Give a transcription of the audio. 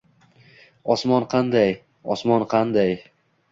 -Osmon qanday, osmon qanday…